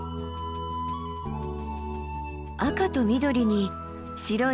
赤と緑に白い